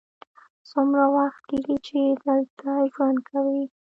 څومره وخت کیږی چې دلته ژوند کوې؟